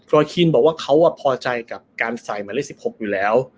ลอยคีนบอกว่าเขาพอใจกับการใส่เบอร์๑๖อยู่แล้ว